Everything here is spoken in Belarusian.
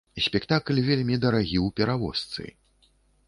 Спектакль вельмі дарагі ў перавозцы.